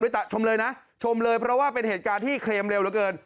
ชมเลยนะชมเลยเพราะว่าเป็นเหตุการณ์ที่เคลมเร็วเหลือเกิน